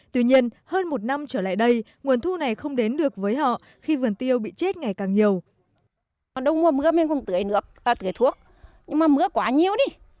tuy nhiên hơn một năm trở lại đây nguồn thu này không đến được với họ khi vườn tiêu bị chết ngày càng nhiều